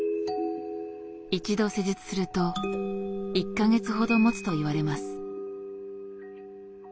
一度施術すると１か月ほどもつといわれます。